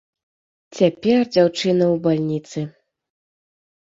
Цяпер дзяўчына ў бальніцы.